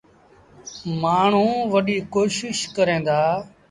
مآڻهوٚݩ وڏيٚ ڪوشيٚش ڪريݩ دآ۔